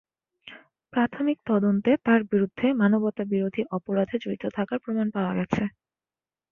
প্রাথমিক তদন্তে তাঁর বিরুদ্ধে মানবতাবিরোধী অপরাধে জড়িত থাকার প্রমাণ পাওয়া গেছে।